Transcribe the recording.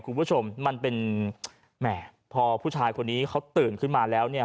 คุณผู้ชมมันเป็นแหมพอผู้ชายคนนี้เขาตื่นขึ้นมาแล้วเนี่ย